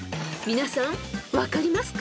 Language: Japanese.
［皆さん分かりますか？］